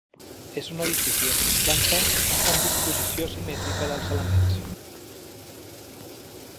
És un edifici de tres plantes amb disposició simètrica dels elements.